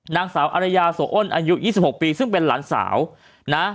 นางสาวอารยาโสอ้นอายุ๒๖ปีซึ่งเป็นหลานสาวนะ